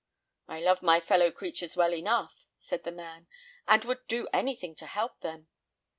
"I love my fellow creatures well enough," said the man, "and would do anything to help them.